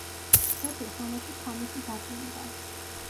ხეთურ ხანაში ქანესი დაკნინდა.